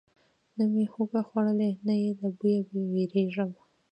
نه مې هوږه خوړلې، نه یې له بویه ویریږم.